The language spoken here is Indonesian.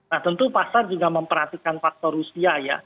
nah tentu pasar juga memperhatikan faktor rusia ya